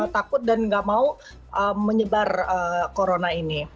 takut dan nggak mau menyebar corona ini